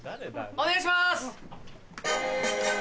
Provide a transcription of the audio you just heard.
お願いします！